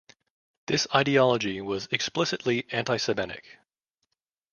This ideology was explicitly antisemitic.